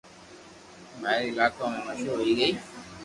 پاھي ري علائقون مشھور ھوئي گئي